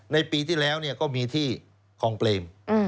ในปีที่แล้วก็มีที่คลองเปรม